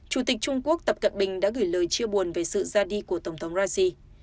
chủ tịch trung quốc tập cận bình đã gửi lời chia buồn về sự ra đi của tổng thống raci